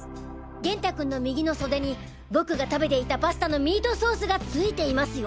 元太君の右の袖に僕が食べていたパスタのミートソースが付いていますよ。